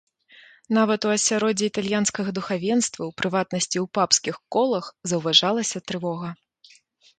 Нават у асяроддзі італьянскага духавенства, у прыватнасці ў папскіх колах, заўважалася трывога.